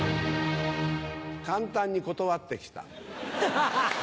簡単に断って来た。